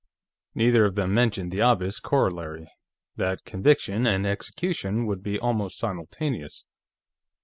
Neither of them mentioned the obvious corollary, that conviction and execution would be almost simultaneous.